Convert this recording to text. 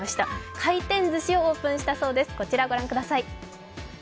回転ずしをオープンしたそうです。